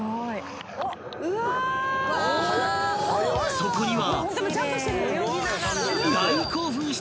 ［そこには］